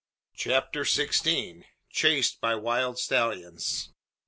CHAPTER SIXTEEN. CHASED BY WILD STALLIONS.